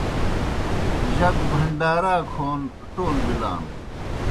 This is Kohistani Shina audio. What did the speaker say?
جک بھنڈارا کھون ٹول بِلان۔